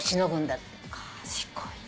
賢いね。